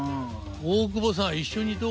大久保さん一緒にどう？